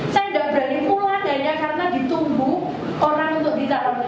saya tidak berani pulang karena ditumbuh orang untuk ditawari